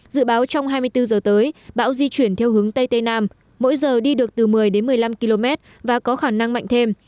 dự báo trong hai mươi bốn giờ tới bão di chuyển theo hướng tây tây nam mỗi giờ đi được từ một mươi đến một mươi năm km và có khả năng mạnh thêm